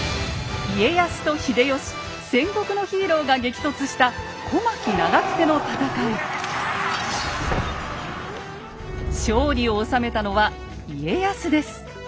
戦国のヒーローが激突した勝利を収めたのは家康です。